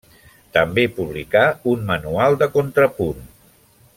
També publicà un manual de contrapunt.